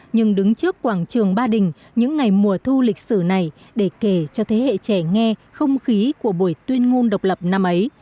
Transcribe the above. nhưng đứng trước quảng trường ba đình những ngày mùa thu lịch sử này để kể cho thế hệ trẻ nghe không khí của buổi tuyên ngôn độc lập năm ấy